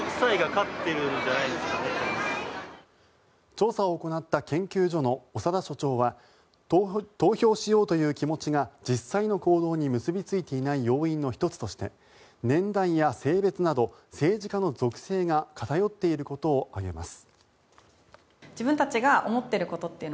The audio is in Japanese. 調査を行った研究所の長田所長は投票しようという気持ちが実際の行動に結びついていない要因の１つとして年代や性別など政治家の属性が偏っていることを挙げます。